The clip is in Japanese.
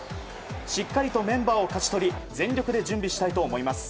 しっかりとメンバーを勝ち取り全力で準備したいと思います。